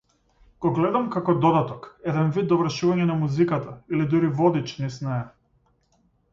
Го гледам како додаток, еден вид довршување на музиката, или дури водич низ неа.